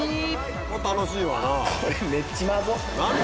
これ楽しいわな。